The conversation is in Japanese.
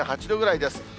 ８度ぐらいです。